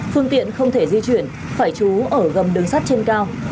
phương tiện không thể di chuyển phải trú ở gầm đường sắt trên cao